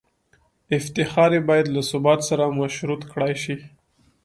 افتخار یې باید له ثبات سره مشروط کړای شي.